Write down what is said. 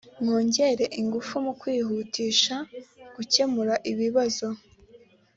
mwongerea ingufu mu kwihutisha gukemura ibibazo